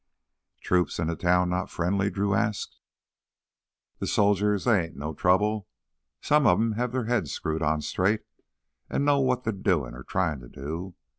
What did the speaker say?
"Troops and the town not friendly?" Drew asked. "Th' soldiers—they ain't no trouble. Some o' 'em have their heads screwed on straight an' know what they's doin' or tryin' t' do.